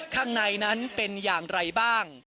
ข้างในนั้นเป็นอย่างไรบ้าง